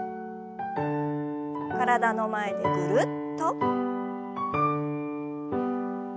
体の前でぐるっと。